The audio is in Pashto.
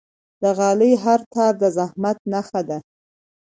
د غالۍ هر تار د زحمت نخښه ده.